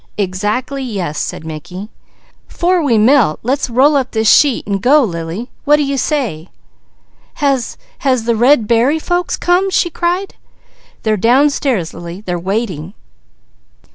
"Exactly yes!" said Mickey. "'Fore we melt let's roll up in this sheet and go, Lily! What do you say?" "Has has the red berry folks come?" she cried. "They're downstairs, Lily. They're waiting."